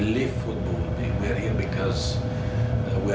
และพร้อมให้เกิดเกิดขึ้น